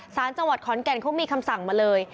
สารจังหวัดขอนแก่นเขามีคำสั่งมาเลย